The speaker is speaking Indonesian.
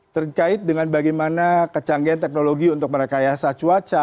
terkait dengan bagaimana kecanggihan teknologi untuk merekayasa cuaca